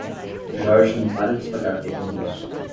Jorge não para de espalhar fake news